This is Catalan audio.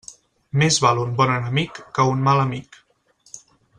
Més val un bon enemic que un mal amic.